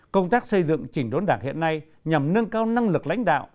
công tác xây dựng chỉnh đốn đảng hiện nay nhằm nâng cao năng lực lãnh đạo